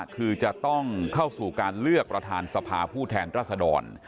คือจะต้องเข้าสู่การเลือกประธานสภาผู้แทนรัศดร